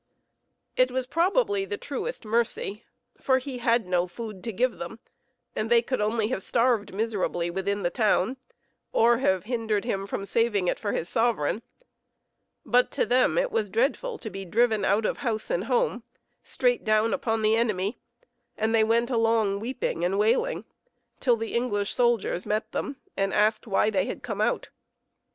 It was probably the truest mercy, for he had no food to give them, and they could only have starved miserably within the town, or have hindered him from saving it for his sovereign; but to them it was dreadful to be driven out of house and home, straight down upon the enemy, and they went along weeping and wailing, till the English soldiers met them and asked why they had come out.